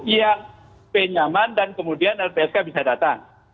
yang ibu pe nyaman dan kemudian lpsk bisa datang